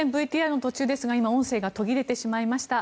ＶＴＲの途中ですが今、音声が途切れてしまいました。